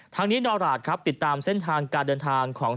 ทางนี้นอราชครับติดตามเส้นทางการเดินทางของ